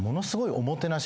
おもてなし？